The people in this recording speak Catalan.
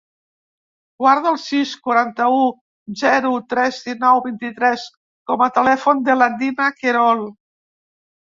Guarda el sis, quaranta-u, zero, tres, dinou, vint-i-tres com a telèfon de la Dina Querol.